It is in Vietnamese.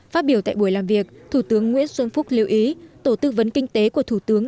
phát biểu tại buổi làm việc thủ tướng nguyễn xuân phúc lưu ý tổ tư vấn kinh tế của thủ tướng